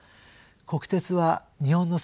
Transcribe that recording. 国鉄は日本の